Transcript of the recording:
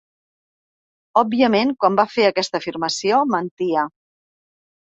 Òbviament, quan va fer aquesta afirmació, mentia.